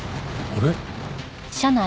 あれ？